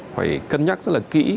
phải cân nhắc rất là kỹ